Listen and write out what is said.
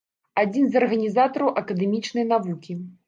Адзін з арганізатараў акадэмічнай навукі.